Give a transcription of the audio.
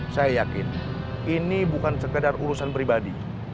saya yakin ini bukan sekedar urusan pribadi